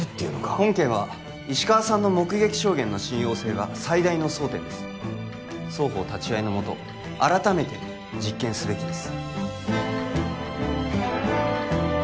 本件は石川さんの目撃証言の信用性が最大の争点です双方立ち会いのもと改めて実験すべきです